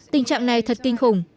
tình trạng này thật kinh khủng